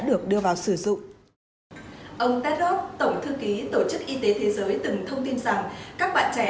được đưa vào sử dụng ông tedrov tổng thư ký tổ chức y tế thế giới từng thông tin rằng các bạn trẻ